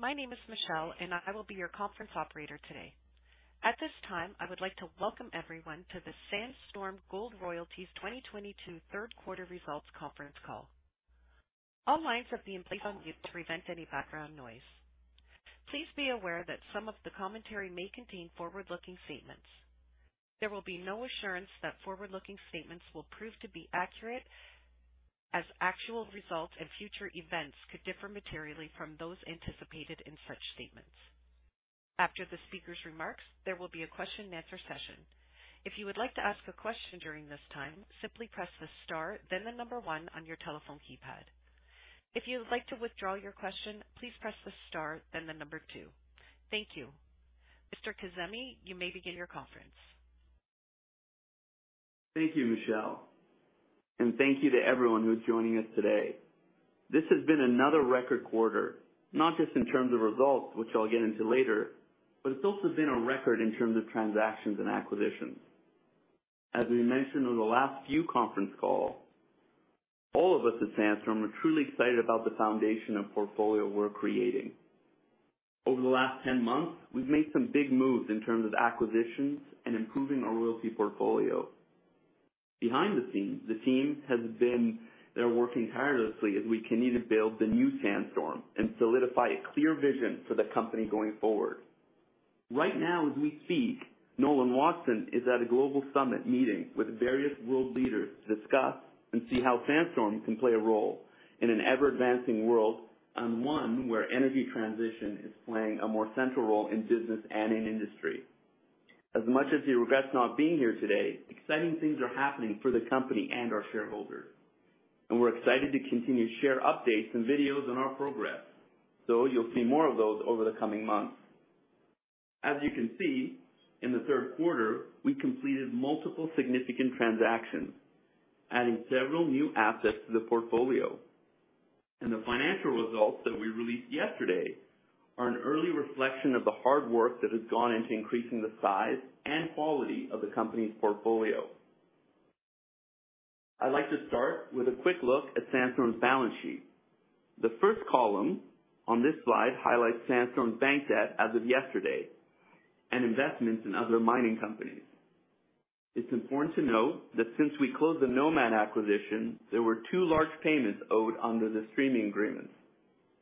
My name is Michelle, and I will be your conference operator today. At this time, I would like to welcome everyone to the Sandstorm Gold Royalties 2022 third quarter results conference call. All lines have been placed on mute to prevent any background noise. Please be aware that some of the commentary may contain forward-looking statements. There will be no assurance that forward-looking statements will prove to be accurate, as actual results and future events could differ materially from those anticipated in such statements. After the speaker's remarks, there will be a question and answer session. If you would like to ask a question during this time, simply press the star, then the number 1 on your telephone keypad. If you would like to withdraw your question, please press the star, then the number 2. Thank you. Mr. Kazemi, you may begin your conference. Thank you, Michelle, and thank you to everyone who's joining us today. This has been another record quarter, not just in terms of results, which I'll get into later, but it's also been a record in terms of transactions and acquisitions. As we mentioned on the last few conference calls, all of us at Sandstorm are truly excited about the foundation of portfolio we're creating. Over the last 10 months, we've made some big moves in terms of acquisitions and improving our royalty portfolio. Behind the scenes, the team has been there working tirelessly as we continue to build the new Sandstorm and solidify a clear vision for the company going forward. Right now, as we speak, Nolan Watson is at a global summit meeting with various world leaders to discuss and see how Sandstorm can play a role in an ever-advancing world, and one where energy transition is playing a more central role in business and in industry. As much as he regrets not being here today, exciting things are happening for the company and our shareholders. We're excited to continue to share updates and videos on our progress. You'll see more of those over the coming months. As you can see, in the third quarter, we completed multiple significant transactions, adding several new assets to the portfolio. The financial results that we released yesterday are an early reflection of the hard work that has gone into increasing the size and quality of the company's portfolio. I'd like to start with a quick look at Sandstorm's balance sheet. The first column on this slide highlights Sandstorm's bank debt as of yesterday, and investments in other mining companies. It's important to note that since we closed the Nomad acquisition, there were two large payments owed under the streaming agreement,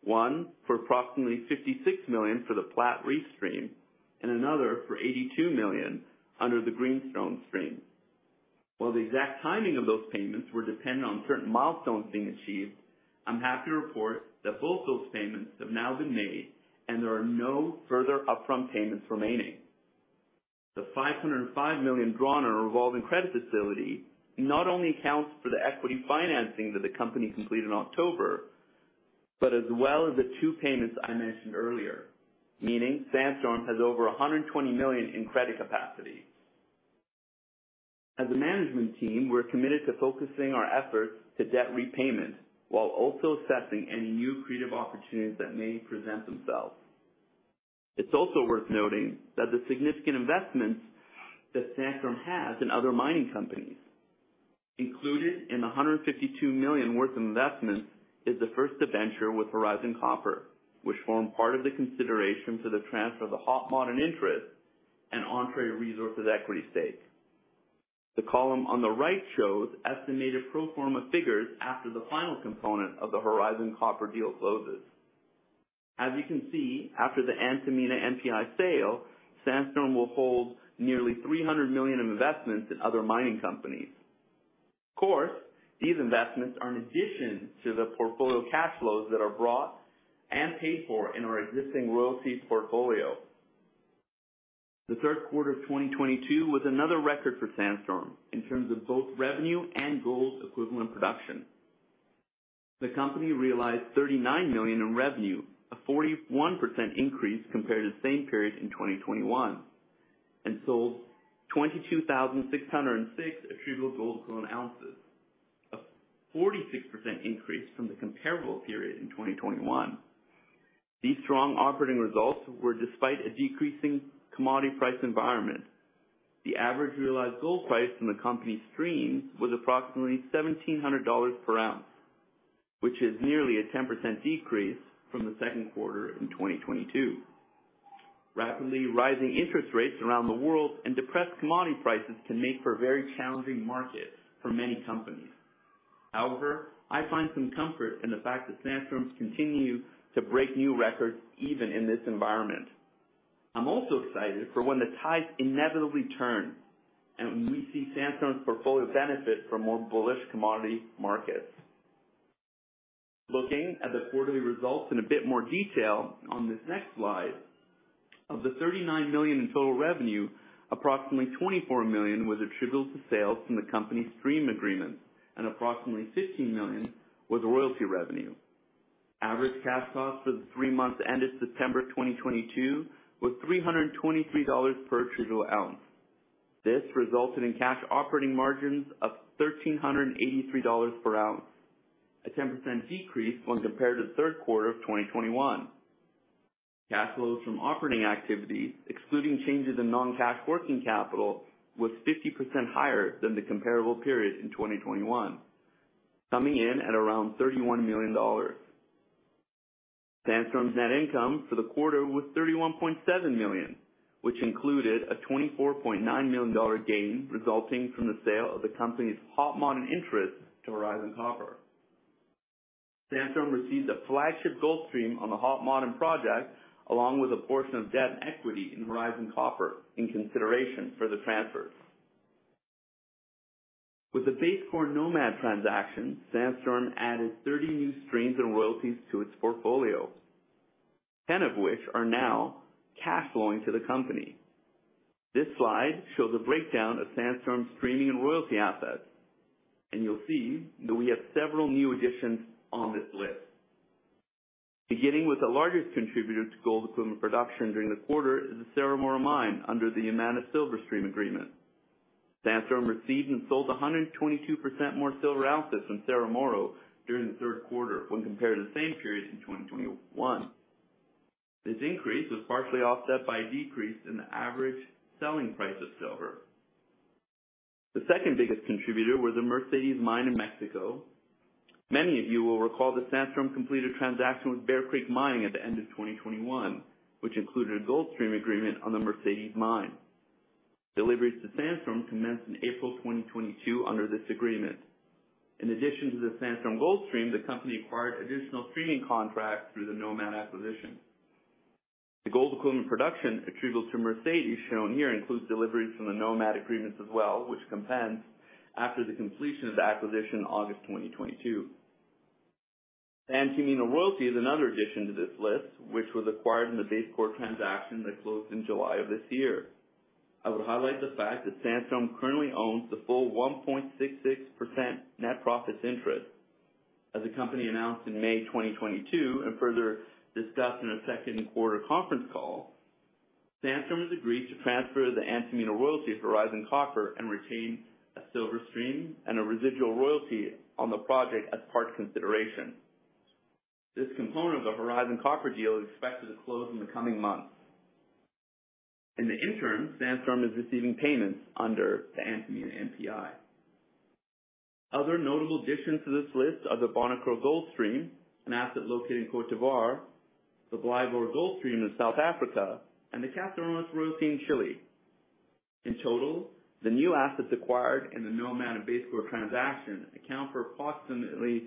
one for approximately $56 million for the Platreef stream and another for $82 million under the Greenstone stream. While the exact timing of those payments were dependent on certain milestones being achieved, I'm happy to report that both those payments have now been made and there are no further upfront payments remaining. The $505 million drawn on our revolving credit facility not only accounts for the equity financing that the company completed in October, but as well as the two payments I mentioned earlier, meaning Sandstorm has over $120 million in credit capacity. As a management team, we're committed to focusing our efforts to debt repayment while also assessing any new creative opportunities that may present themselves. It's also worth noting that the significant investments that Sandstorm has in other mining companies. Included in the $152 million worth of investments is the first adventure with Horizon Copper, which formed part of the consideration for the transfer of the Hod Maden interest and Entrée Resources equity stake. The column on the right shows estimated pro forma figures after the final component of the Horizon Copper deal closes. As you can see, after the Antamina NPI sale, Sandstorm will hold nearly $300 million in investments in other mining companies. Of course, these investments are in addition to the portfolio cash flows that are brought and paid for in our existing royalties portfolio. The third quarter of 2022 was another record for Sandstorm in terms of both revenue and gold equivalent production. The company realized $39 million in revenue, a 41% increase compared to the same period in 2021, and sold 22,606 attributable gold equivalent ounces, a 46% increase from the comparable period in 2021. These strong operating results were despite a decreasing commodity price environment. The average realized gold price from the company stream was approximately $1,700 per ounce, which is nearly a 10% decrease from the second quarter in 2022. Rapidly rising interest rates around the world and depressed commodity prices can make for a very challenging market for many companies. However, I find some comfort in the fact that Sandstorm continues to break new records even in this environment. I'm also excited for when the tides inevitably turn, and when we see Sandstorm's portfolio benefit from more bullish commodity markets. Looking at the quarterly results in a bit more detail on this next slide, of the $39 million in total revenue, approximately $24 million was attributable to sales from the company's stream agreement, and approximately $15 million was royalty revenue. Average cash costs for the three months ended September 2022 was $323 per attributable ounce. This resulted in cash operating margins of $1,383 per ounce, a 10% decrease when compared to the third quarter of 2021. Cash flows from operating activities, excluding changes in non-cash working capital, was 50% higher than the comparable period in 2021. Coming in at around $31 million. Sandstorm's net income for the quarter was $31.7 million, which included a $24.9 million gain resulting from the sale of the company's Hod Maden interest to Horizon Copper. Sandstorm received a flagship gold stream on the Hod Maden project, along with a portion of debt and equity in Horizon Copper in consideration for the transfer. With the BaseCore Nomad transaction, Sandstorm added 30 new streams and royalties to its portfolio, 10 of which are now cash flowing to the company. This slide shows a breakdown of Sandstorm's streaming and royalty assets, and you'll see that we have several new additions on this list. Beginning with the largest contributor to gold equivalent production during the quarter is the Cerro Moro Mine under the Yamana Silver Stream Agreement. Sandstorm received and sold 122% more silver ounces from Cerro Moro during the third quarter when compared to the same period in 2021. This increase was partially offset by a decrease in the average selling price of silver. The second biggest contributor was the Mercedes Mine in Mexico. Many of you will recall that Sandstorm completed a transaction with Bear Creek Mining at the end of 2021, which included a gold stream agreement on the Mercedes Mine. Deliveries to Sandstorm commenced in April 2022 under this agreement. In addition to the Sandstorm Gold Stream, the company acquired additional streaming contracts through the Nomad acquisition. The gold equivalent production attributable to Mercedes shown here includes deliveries from the Nomad agreements as well, which commenced after the completion of the acquisition in August 2022. Antamina Royalty is another addition to this list, which was acquired in the BaseCore transaction that closed in July of this year. I would highlight the fact that Sandstorm currently owns the full 1.66% net profits interest. As the company announced in May 2022 and further discussed in our second quarter conference call, Sandstorm has agreed to transfer the Antamina royalty to Horizon Copper and retain a silver stream and a residual royalty on the project as part consideration. This component of the Horizon Copper deal is expected to close in the coming months. In the interim, Sandstorm is receiving payments under the Antamina NPI. Other notable additions to this list are the Bonikro Gold Stream, an asset located in Côte d'Ivoire, the Blyvoor Gold Stream in South Africa, and the Caserones Royalty in Chile. In total, the new assets acquired in the Nomad and BaseCore transaction account for approximately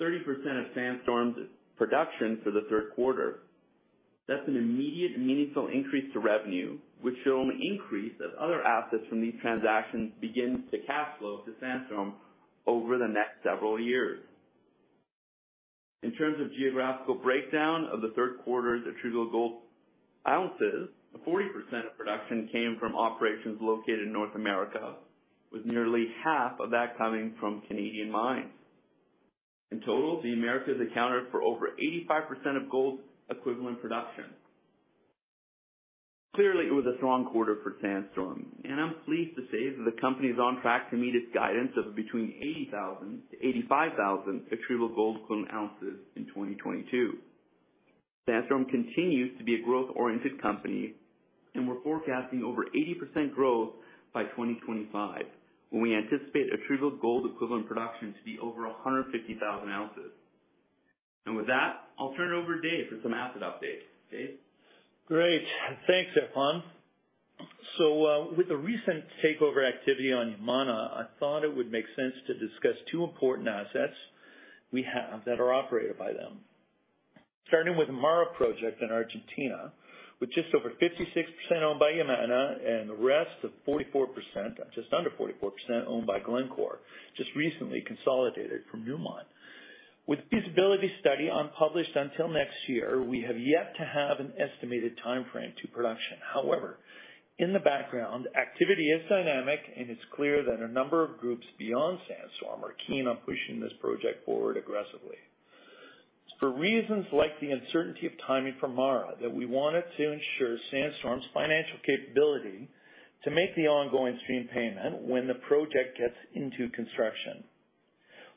30% of Sandstorm's production for the third quarter. That's an immediate meaningful increase to revenue, which will increase as other assets from these transactions begin to cash flow to Sandstorm over the next several years. In terms of geographical breakdown of the third quarter's attributable gold ounces, 40% of production came from operations located in North America, with nearly half of that coming from Canadian mines. In total, the Americas accounted for over 85% of gold equivalent production. Clearly, it was a strong quarter for Sandstorm, and I'm pleased to say that the company is on track to meet its guidance of between 80,000 to 85,000 attributable gold equivalent ounces in 2022. Sandstorm continues to be a growth-oriented company, and we're forecasting over 80% growth by 2025, when we anticipate attributable gold equivalent production to be over 150,000 ounces. With that, I'll turn it over to Dave for some asset updates. Dave? Great. Thanks, Erfan. With the recent takeover activity on Yamana, I thought it would make sense to discuss two important assets we have that are operated by them. Starting with the MARA project in Argentina, with just over 56% owned by Yamana and the rest of 44%, or just under 44% owned by Glencore, just recently consolidated from Newmont. With feasibility study unpublished until next year, we have yet to have an estimated timeframe to production. However, in the background, activity is dynamic, and it's clear that a number of groups beyond Sandstorm are keen on pushing this project forward aggressively. It's for reasons like the uncertainty of timing for MARA that we wanted to ensure Sandstorm's financial capability to make the ongoing stream payment when the project gets into construction.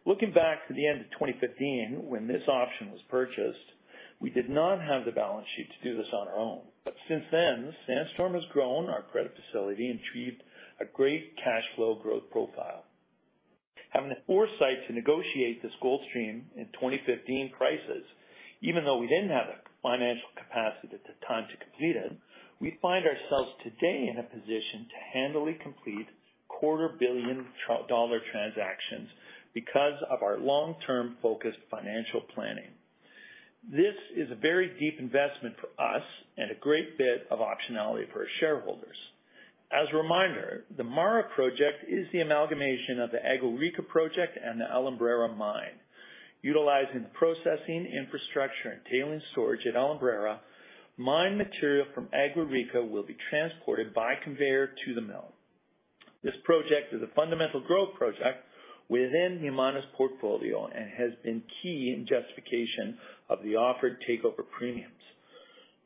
Looking back to the end of 2015, when this option was purchased, we did not have the balance sheet to do this on our own. Since then, Sandstorm has grown our credit facility and achieved a great cash flow growth profile. Having the foresight to negotiate this gold stream in 2015 prices, even though we didn't have the financial capacity at the time to complete it, we find ourselves today in a position to handily complete quarter billion dollar transactions because of our long-term focused financial planning. This is a very deep investment for us and a great bit of optionality for our shareholders. As a reminder, the MARA project is the amalgamation of the Agua Rica project and the Alumbrera Mine. Utilizing the processing infrastructure and tailing storage at Alumbrera, mine material from Agua Rica will be transported by conveyor to the mill. This project is a fundamental growth project within Yamana's portfolio and has been key in justification of the offered takeover premiums.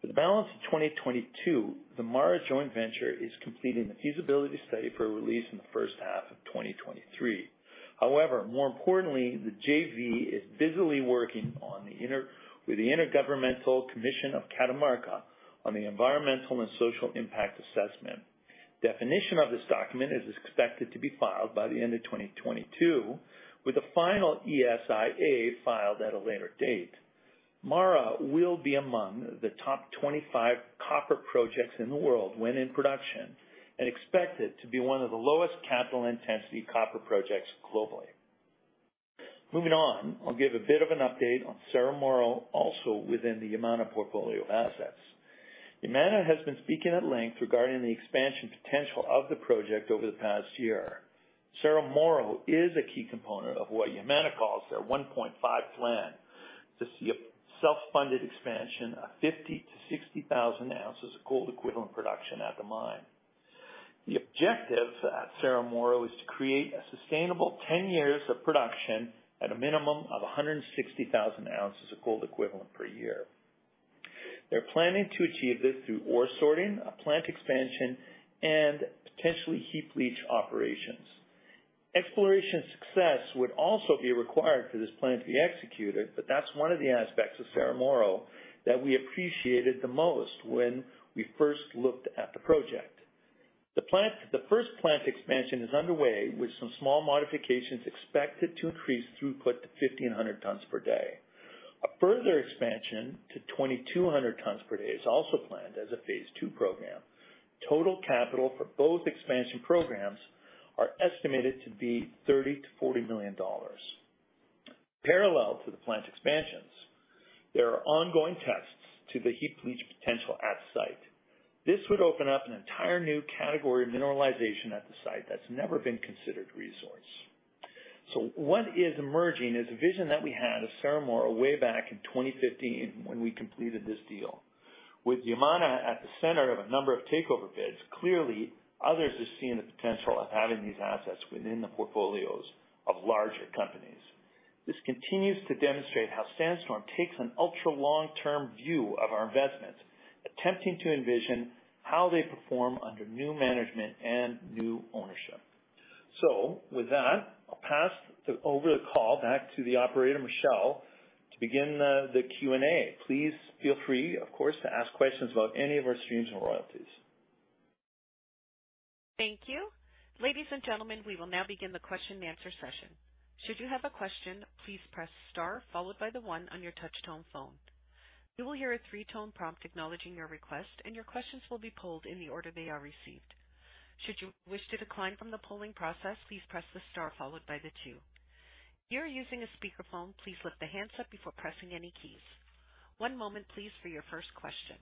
For the balance of 2022, the MARA joint venture is completing the feasibility study for release in the first half of 2023. More importantly, the JV is busily working with the Intergovernmental Commission of Catamarca on the environmental and social impact assessment. Definition of this document is expected to be filed by the end of 2022, with a final ESIA filed at a later date. MARA will be among the top 25 copper projects in the world when in production, and expected to be one of the lowest capital intensity copper projects globally. Moving on, I'll give a bit of an update on Cerro Moro, also within the Yamana portfolio of assets. Yamana has been speaking at length regarding the expansion potential of the project over the past year. Cerro Moro is a key component of what Yamana calls their 1.5 plan to see a self-funded expansion of 50,000-60,000 ounces of gold equivalent production at the mine. The objective at Cerro Moro is to create a sustainable 10 years of production at a minimum of 160,000 ounces of gold equivalent per year. They're planning to achieve this through ore sorting, a plant expansion, and potentially heap leach operations. Exploration success would also be required for this plan to be executed, but that's one of the aspects of Cerro Moro that we appreciated the most when we first looked at the project. The first plant expansion is underway with some small modifications expected to increase throughput to 1,500 tons per day. A further expansion to 2,200 tons per day is also planned as a phase 2 program. Total capital for both expansion programs are estimated to be $30 million-$40 million. Parallel to the plant expansions, there are ongoing tests to the heap leach potential at site. This would open up an entire new category of mineralization at the site that's never been considered resource. What is emerging is a vision that we had of Cerro Moro way back in 2015 when we completed this deal. With Yamana at the center of a number of takeover bids, clearly others are seeing the potential of having these assets within the portfolios of larger companies. This continues to demonstrate how Sandstorm takes an ultra-long-term view of our investments, attempting to envision how they perform under new management and new ownership. With that, I'll pass over the call back to the operator, Michelle, to begin the Q&A. Please feel free, of course, to ask questions about any of our streams and royalties. Thank you. Ladies and gentlemen, we will now begin the question and answer session. Should you have a question, please press star followed by the one on your touch tone phone. You will hear a three-tone prompt acknowledging your request, and your questions will be polled in the order they are received. Should you wish to decline from the polling process, please press the star followed by the two. If you're using a speakerphone, please lift the handset before pressing any keys. One moment please for your first question.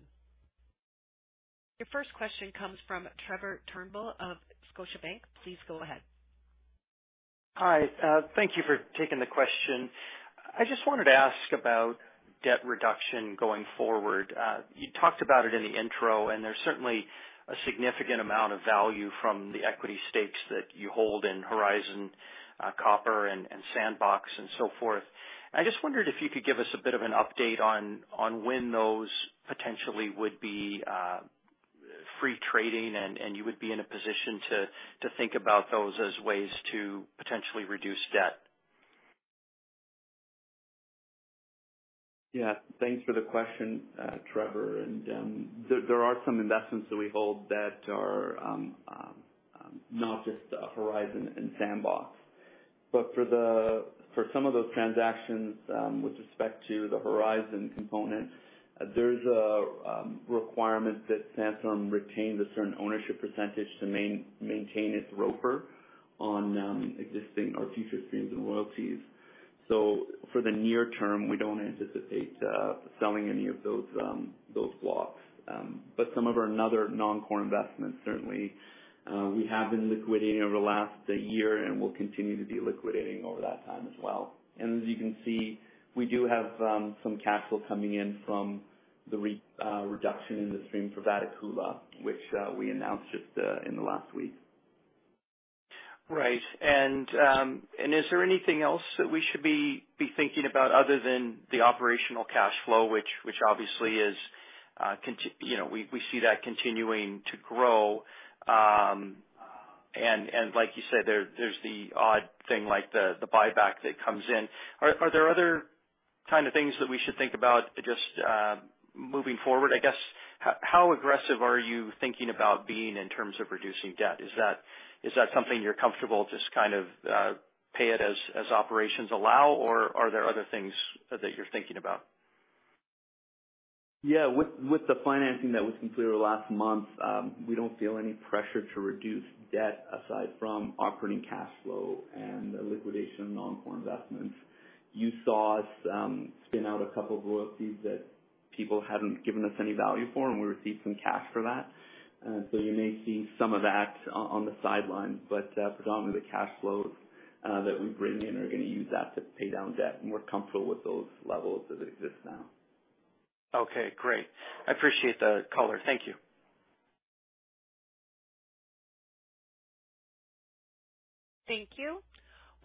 Your first question comes from Trevor Turnbull of Scotiabank. Please go ahead. Hi. Thank you for taking the question. I just wanted to ask about debt reduction going forward. You talked about it in the intro, and there's certainly a significant amount of value from the equity stakes that you hold in Horizon Copper and Sandbox and so forth. I just wondered if you could give us a bit of an update on when those potentially would be free trading, and you would be in a position to think about those as ways to potentially reduce debt. Yeah. Thanks for the question, Trevor. There are some investments that we hold that are not just Horizon and Sandbox. For some of those transactions, with respect to the Horizon component, there's a requirement that Sandstorm retains a certain ownership percentage to maintain its ROFR on existing or future streams and royalties. For the near term, we don't anticipate selling any of those blocks. Some of our another non-core investments, certainly, we have been liquidating over the last year and will continue to be liquidating over that time as well. As you can see, we do have some capital coming in from the reduction in the stream for Vatukoula, which we announced just in the last week. Right. Is there anything else that we should be thinking about other than the operational cash flow, which obviously we see that continuing to grow. Like you said, there's the odd thing like the buyback that comes in. Are there other kind of things that we should think about just moving forward, I guess? How aggressive are you thinking about being in terms of reducing debt? Is that something you're comfortable just kind of pay it as operations allow, or are there other things that you're thinking about? Yeah. With the financing that was completed last month, we don't feel any pressure to reduce debt aside from operating cash flow and the liquidation of non-core investments. You saw us spin out a couple of royalties that people hadn't given us any value for. We received some cash for that. You may see some of that on the sideline, but predominantly, cash flows that we bring in are going to use that to pay down debt, and we're comfortable with those levels as it exists now. Okay, great. I appreciate the color. Thank you. Thank you.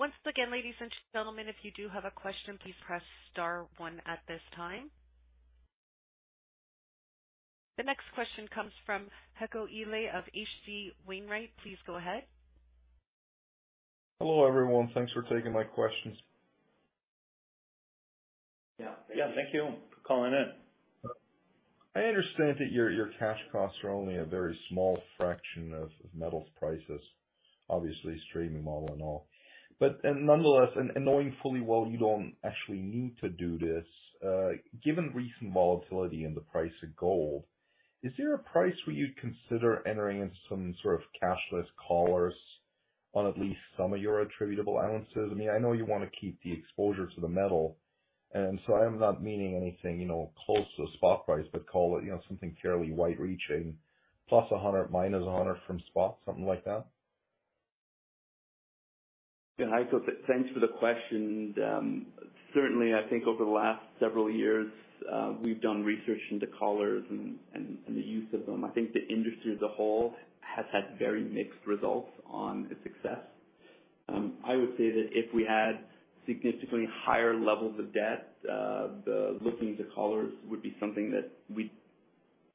Once again, ladies and gentlemen, if you do have a question, please press star one at this time. The next question comes from Heiko Ihle of H.C. Wainwright. Please go ahead. Hello, everyone. Thanks for taking my questions. Yeah. Thank you for calling in. I understand that your cash costs are only a very small fraction of metals prices, obviously streaming model and all. Nonetheless, and knowing fully well you don't actually need to do this, given recent volatility in the price of gold, is there a price where you'd consider entering into some sort of cashless collars on at least some of your attributable ounces? I know you want to keep the exposure to the metal, I am not meaning anything close to spot price, but call it something fairly wide reaching, plus 100, minus 100 from spot, something like that. Yeah. Heiko, thanks for the question. Certainly, I think over the last several years, we've done research into collars and the use of them. I think the industry as a whole has had very mixed results on its success. I would say that if we had significantly higher levels of debt, looking to collars would be something that we'd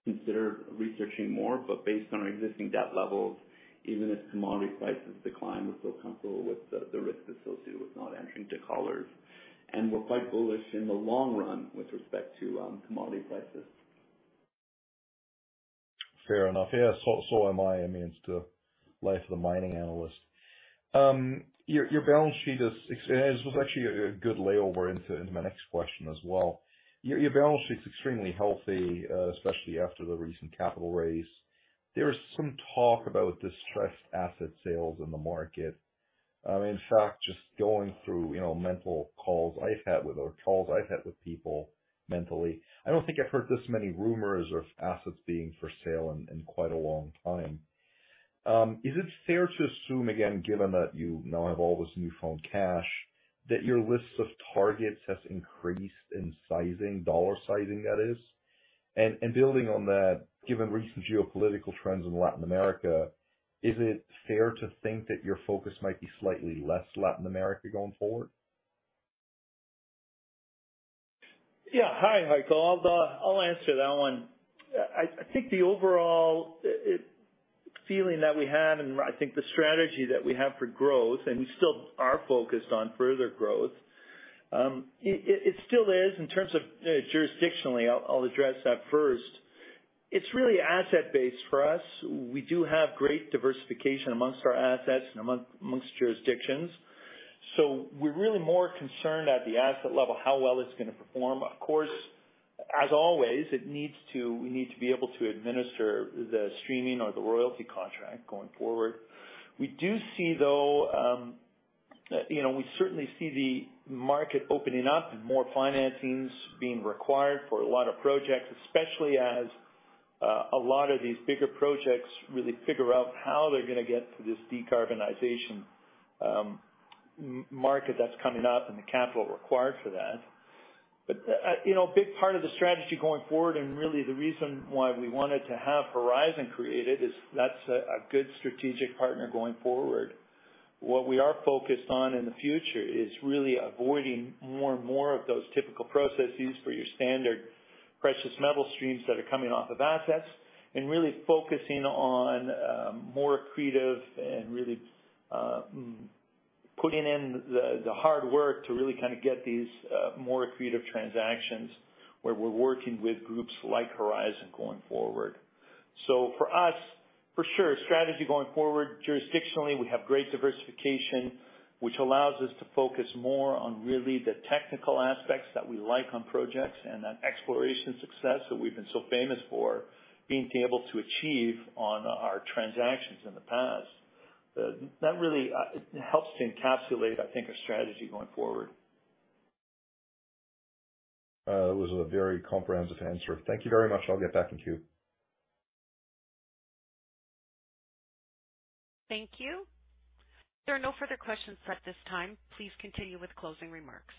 consider researching more. Based on our existing debt levels, even as commodity prices decline, we feel comfortable with the risk associated with not entering into collars. We're quite bullish in the long run with respect to commodity prices. Fair enough. So am I. I mean, it's the life of the mining analyst. This was actually a good layover into my next question as well. Your balance sheet's extremely healthy, especially after the recent capital raise. There's some talk about distressed asset sales in the market. In fact, just going through mental calls I've had with people, mentally, I don't think I've heard this many rumors of assets being for sale in quite a long time. Is it fair to assume, again, given that you now have all this new found cash, that your list of targets has increased in sizing, dollar sizing that is? Building on that, given recent geopolitical trends in Latin America, is it fair to think that your focus might be slightly less Latin America going forward? Hi, Heiko. I'll answer that one. I think the overall feeling that we have, and I think the strategy that we have for growth, and we still are focused on further growth. It still is in terms of jurisdictionally, I'll address that first. It's really asset-based for us. We do have great diversification amongst our assets and amongst jurisdictions. We're really more concerned at the asset level, how well it's going to perform. Of course, as always, we need to be able to administer the streaming or the royalty contract going forward. We certainly see the market opening up and more financings being required for a lot of projects, especially as a lot of these bigger projects really figure out how they're going to get to this decarbonization market that's coming up and the capital required for that. A big part of the strategy going forward, and really the reason why we wanted to have Horizon created, is that's a good strategic partner going forward. What we are focused on in the future is really avoiding more and more of those typical processes for your standard precious metal streams that are coming off of assets and really focusing on more accretive and really putting in the hard work to really get these more accretive transactions where we're working with groups like Horizon going forward. For us, for sure, strategy going forward, jurisdictionally, we have great diversification, which allows us to focus more on really the technical aspects that we like on projects and that exploration success that we've been so famous for being able to achieve on our transactions in the past. That really helps to encapsulate, I think, our strategy going forward. That was a very comprehensive answer. Thank you very much. I'll get back in queue. Thank you. There are no further questions at this time. Please continue with closing remarks.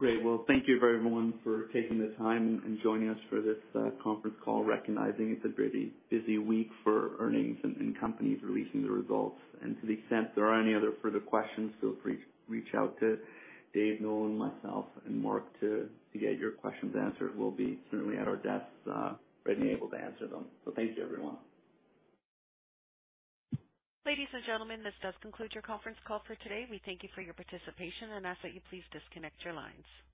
Well, thank you everyone for taking the time and joining us for this conference call, recognizing it's a pretty busy week for earnings and companies releasing the results. To the extent there are any other further questions, feel free to reach out to Dave, Nolan, myself, and Mark to get your questions answered. We'll be certainly at our desks, ready and able to answer them. Thanks, everyone. Ladies and gentlemen, this does conclude your conference call for today. We thank you for your participation and ask that you please disconnect your lines.